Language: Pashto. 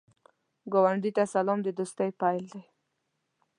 ګاونډي ته سلام، د دوستۍ پیل دی